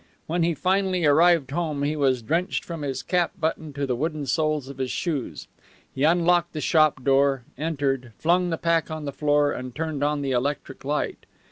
When he finally arrived home he was drenched from his cap button to the wooden soles of his shoes. He unlocked the shop door, entered, flung the pack on the floor, and turned on the electric light.